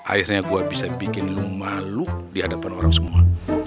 akhirnya gue bisa bikin lu malu di hadapan orang semua